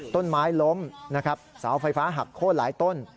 ต้นไม้ล้มสาวไฟฟ้าหักโคตรหลายต้น